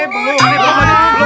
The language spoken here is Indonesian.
belum pak de